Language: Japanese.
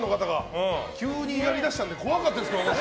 急にやり出したので怖かったですけど。